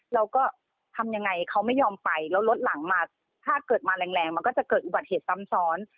เราก็ทำยังไงเขาไม่ยอมไปแล้วรถหลังมาถ้าเกิดมาแรงแรงมันก็จะเกิดอุบัติเหตุซ้ำซ้อน